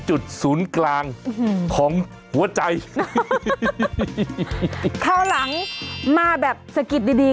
จุดศูนย์กลางอืมของหัวใจเข้าหลังมาแบบสกิดดี